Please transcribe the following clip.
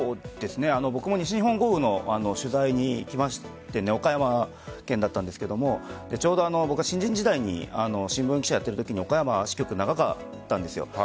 僕も西日本豪雨の取材に行きまして岡山県だったんですがちょうど新人時代に新聞記者をやってるときは岡山支局が長かったんです。